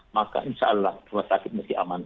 maka insyaallah rumah sakit masih aman